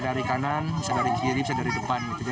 di australia baggimana make supaya pertama saja